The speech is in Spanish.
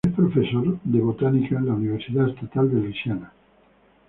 Es profesor de botánica en la Universidad Estatal de Luisiana.